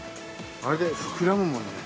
あれで膨らむもんね。